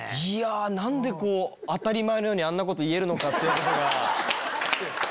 何でこう当たり前のようにあんなこと言えるのかってとこが。